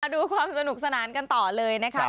ดูความสนุกสนานกันต่อเลยนะคะ